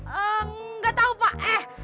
enggak tau pak eh